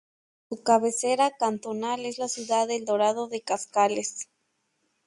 Su cabecera cantonal es la ciudad de El Dorado de Cascales.